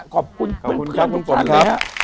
ขอบคุณคุณคุณทุกคนเลยฮะ